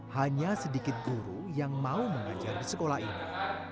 hanya sedikit guru yang mau mengajar di sekolah ini